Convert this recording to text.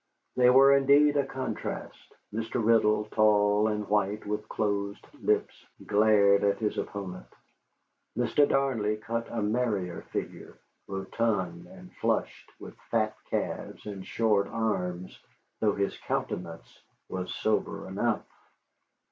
They were indeed a contrast. Mr. Riddle, tall and white, with closed lips, glared at his opponent. Mr. Darnley cut a merrier figure, rotund and flushed, with fat calves and short arms, though his countenance was sober enough.